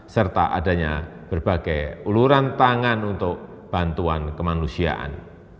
serta adanya berbagai uluran tangan untuk bantuan kemanusiaan